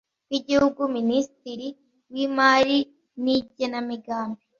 Bw igihugu minisitiri w imari n igenamigambi